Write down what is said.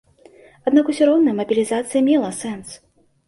Аднак усё роўна мабілізацыя мела сэнс.